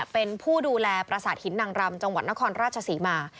เป็นผู้ดูแลประสาทหินนางรำจังหวัดนครราชศรีมา